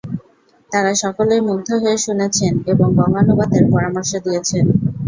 তারা সকলেই মুগ্ধ হয়ে শুনেছেন এবং বঙ্গানুবাদের পরামর্শ দিয়েছেন।